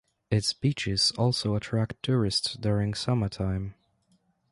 Its beaches also attract tourists during summer time.